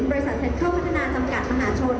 บริษัทเทศเข้าพัฒนาจำกัดมหาชน